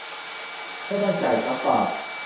ไม่ต้องจ่ายสักบาท